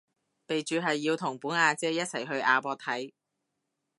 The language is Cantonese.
備註係要同本阿姐一齊去亞博睇